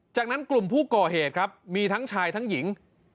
จากนั้นกลุ่มผู้ก่อเหตุครับมีทั้งชายทั้งหญิง